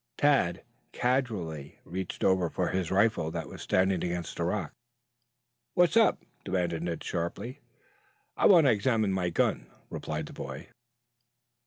Tad casually reached over for his rifle that was standing against a rock. "What's up?" demanded Ned sharply. "I want to examine my gun," replied the boy.